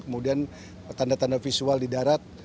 kemudian tanda tanda visual di darat